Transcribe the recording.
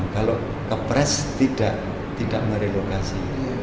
kalau kepres tidak merelokasi